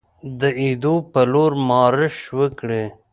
د ایدو په لور مارش وکړي.